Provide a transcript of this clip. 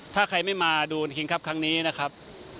ถ้าใครไม่มาดูคิงครับครั้งนี้นะครับ